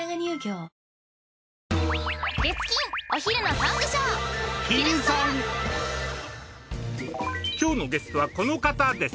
本日のゲストはこの方です。